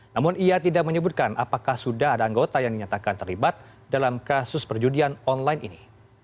namun ia tidak menyebutkan apakah sudah ada anggota yang dinyatakan terlibat dalam kasus perjudian online ini